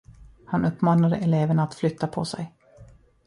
Han uppmanade eleverna att flytta på sig.